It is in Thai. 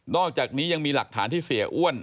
อกจากนี้ยังมีหลักฐานที่เสียอ้วน